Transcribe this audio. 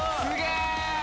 すげえ！